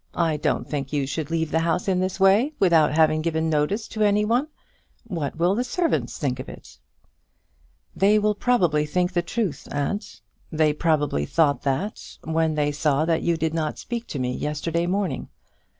I don't think you should leave the house in this way, without having given notice to any one. What will the servants think of it?" "They will probably think the truth, aunt. They probably thought that, when they saw that you did not speak to me yesterday morning.